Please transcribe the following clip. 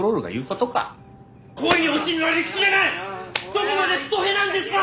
どこまでストへなんですか！